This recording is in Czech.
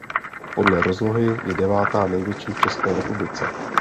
Podle rozlohy je devátá největší v České republice.